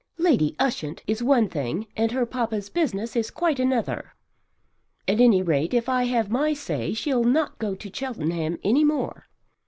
Lady Ushant is one thing and her papa's business is quite another. At any rate if I have my say she'll not go to Cheltenham any more.